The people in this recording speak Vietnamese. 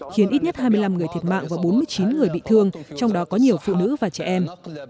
khiến ít nhất hai mươi năm người thiệt mạng và bốn mươi chín người bị thương trong đó có nhiều phụ nữ và trẻ em